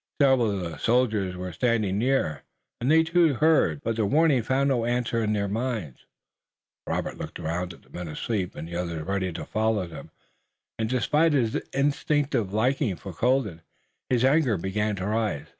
Several of the soldiers were standing near, and they too heard, but the warning found no answer in their minds. Robert looked around at the men asleep and the others ready to follow them, and, despite his instinctive liking for Colden, his anger began to rise.